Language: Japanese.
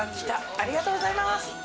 ありがとうございます。